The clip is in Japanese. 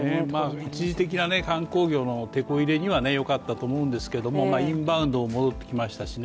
一時的な観光業のてこ入れにはよかったと思うんですけれども、インバウンドも戻ってきましたしね。